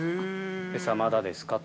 餌まだですか？と。